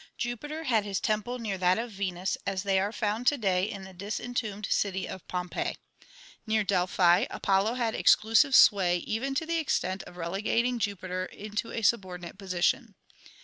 Jupiter had his temple near that of Venus as they are found to day in the disentombed city of Pompeii. Near Delphi Apollo had exclusive sway even to the extent of relegating Jupiter into a subordinate position.